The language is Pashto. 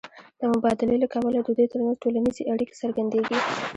د مبادلې له کبله د دوی ترمنځ ټولنیزې اړیکې څرګندېږي